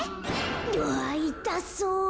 うわっいたそう。